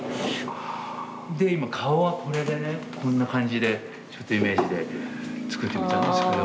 で今顔はこれでねこんな感じでちょっとイメージで作ってみたんですけど。